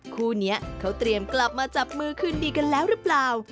คู่นี้เขาเตรียมกลับมาจับมือคืนดีกันแล้วหรือเปล่า